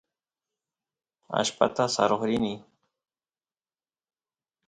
allpata saroq rini